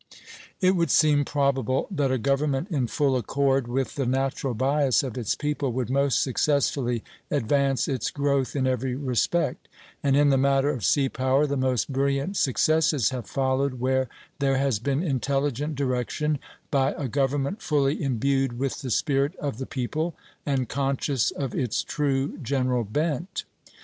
It would seem probable that a government in full accord with the natural bias of its people would most successfully advance its growth in every respect; and, in the matter of sea power, the most brilliant successes have followed where there has been intelligent direction by a government fully imbued with the spirit of the people and conscious of its true general bent.